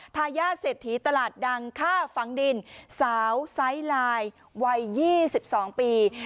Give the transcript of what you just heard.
ทายาทเศรษฐีตลาดดังฆ่าฝังดินสาวไซส์ลายวัย๒๒ปี